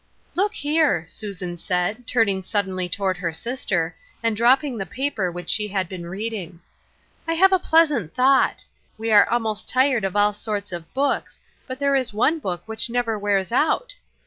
'' Look here," Susan said, turning suddenly toward her sister, and dropping the paper which she had been reading. " I have a pleasant thought. We are almost tired of all sorts of books ; but there is one Book which never wears out.